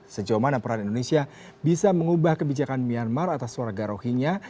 sejauh mana peran indonesia bisa mengubah kebijakan myanmar atas suara rohinya